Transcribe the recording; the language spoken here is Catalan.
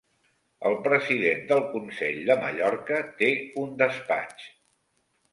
El president del Consell de Mallorca té un despatx